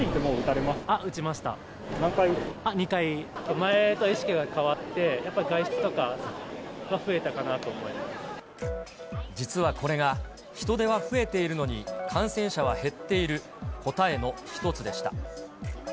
前と意識が変わって、やっぱり外実はこれが、人出は増えているのに、感染者は減っている答えの一つでした。